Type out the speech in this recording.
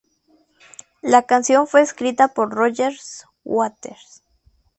La canción fue escrita por Roger Waters.